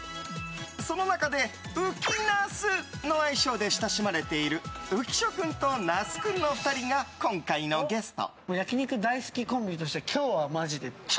その中でうきなすの愛称で親しまれている浮所君と那須君の２人が今回のゲスト。